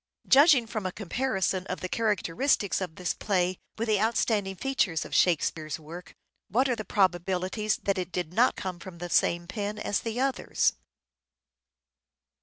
Judging from a comparison of the characteristics of this play with the outstanding features of Shakespeare's work, what are the probabilities that it did not come from the same pen as the others